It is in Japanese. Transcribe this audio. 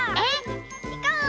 いこう！